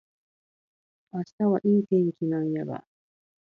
明日はいい天気なんやが